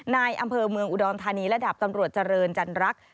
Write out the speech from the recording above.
นายอำเภอเมืองอุดรธานีระดับตำรวจเจริญจันรัก